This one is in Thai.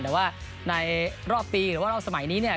แต่ว่าในรอบปีหรือว่ารอบสมัยนี้เนี่ย